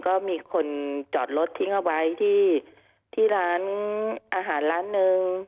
ก็มีคนจอดรถทิ้งเอาไว้ที่ร้านอาหารร้านหนึ่ง